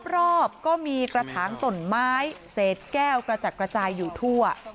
รอบก็มีกระถางตนไม้เศษแก้วกระจัดกระจายอยู่ทั่ว